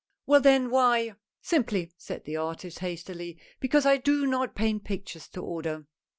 " Well then, why "" Simply," said the artist, hastily, " because I do not paint pictures to order.